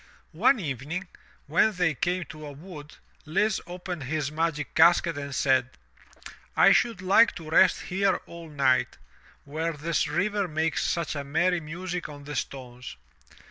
One evening, when they capie to a wood, Lise opened his magic casket and* said: "I should like to rest here all night, where this river makes such a merry music on the stones."